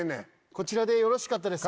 こちらでよろしかったですか？